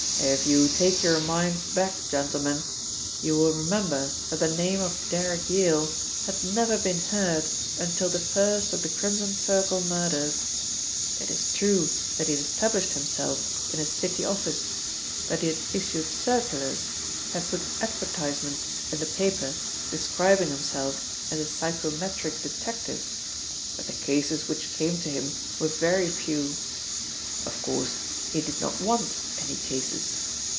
"If you take your minds back, gentlemen, you will remember that the name of Derrick Yale had never been heard until the first of the Crimson Circle murders. It is true that he had established himself in a city office, that he had issued circulars, had put advertisements in the paper describing himself as a psychometric detective, but the cases which came to him were very few. Of course, he did not want any cases.